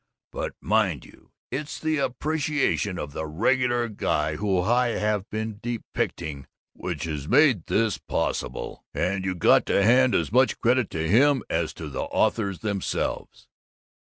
But, mind you, it's the appreciation of the Regular Guy who I have been depicting which has made this possible, and you got to hand as much credit to him as to the authors themselves.